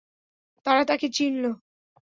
তারা তাকে চিনল।